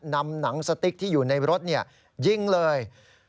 นำหนังสติ๊กที่อยู่ในรถยิงเลย